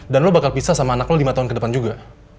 dan lo bakal pisah sama anak lo lima tahun ke depan juga